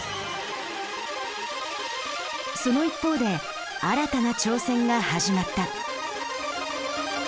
その一方で新たな挑戦が始まった。